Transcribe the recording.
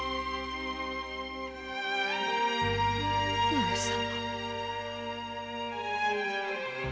上様。